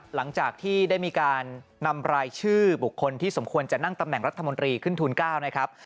หลังจากที่ได้มีการนำรายชื่อบุคคลที่สมควรจะนั่งตำแหน่งรัฐมนตรีขึ้นทูล๙นะครับ